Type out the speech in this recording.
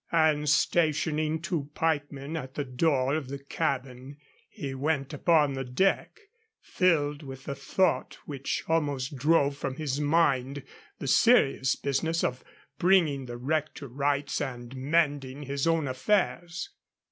And stationing two pikemen at the door of the cabin, he went upon the deck, filled with the thought which almost drove from his mind the serious business of bringing the wreck to rights and mending his own affairs.